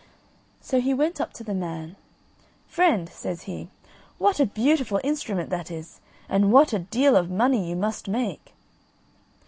So he went up to the man. "Friend," says he, "what a beautiful instrument that is, and what a deal of money you must make."